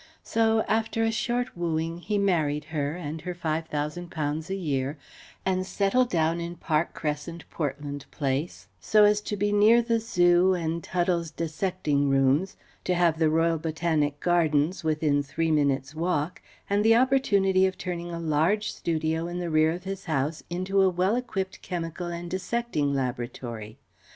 So, after a short wooing, he married her and her five thousand pounds a year, and settled down in Park Crescent, Portland Place, so as to be near the Zoo and Tudell's dissecting rooms, to have the Royal Botanic gardens within three minutes' walk, and the opportunity of turning a large studio in the rear of his house into a well equipped chemical and dissecting laboratory.